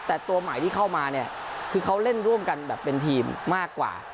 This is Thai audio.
แต่ตัวใหม่ที่เข้ามาเนี่ยคือเขาเล่นร่วมกันแบบเป็นทีมมากกว่า